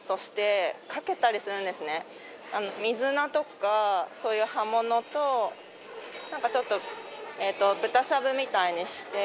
水菜とかそういう葉物となんかちょっと豚しゃぶみたいにして。